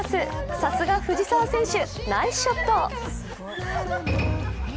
さすが藤澤選手、ナイスショット。